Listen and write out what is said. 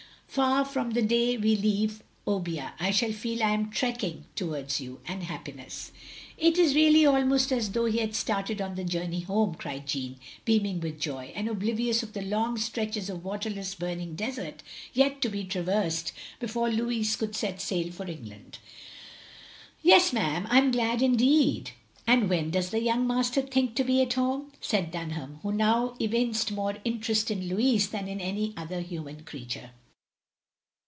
... For from the day we leave Obbia I shall feel I am trekking towards you — and happiness. "" It is really almost as though he had started on the journey home," cried Jeanne, beaming with joy, and oblivious of the long stretches of wateriess burning desert yet to be traversed before Louis could set sail for England. OF GROSVENOR SQUARE 195 "Yes, ma'am, I 'm glad indeed, and when does the yoting master think to be at home?" said Dunham, who now evinced more interest in Louis than in any other human creaure.